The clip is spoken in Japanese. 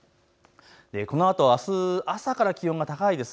このあとあす朝から気温が高いです。